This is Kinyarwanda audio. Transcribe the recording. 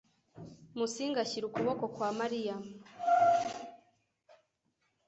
Musinga ashyira ukuboko kwa Mariya.